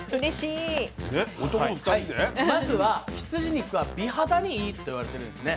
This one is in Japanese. まずは羊肉は「美肌にイイ！！」っていわれてるんですね。